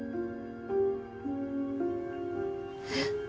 えっ？